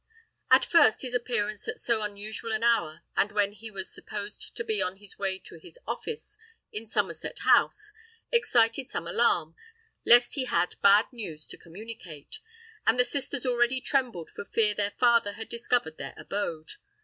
At first his appearance at so unusual an hour and when he was supposed to be on his way to his office in Somerset House, excited some alarm, lest he had bad news to communicate; and the sisters already trembled for fear their father had discovered their abode.